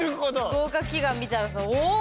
合格祈願見たらさおお！